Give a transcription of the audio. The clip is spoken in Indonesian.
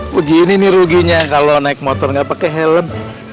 begini nih ruginya kalo naik motor gak pake helm